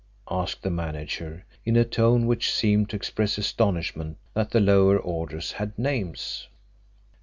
asked the manager in a tone which seemed to express astonishment that the lower orders had names.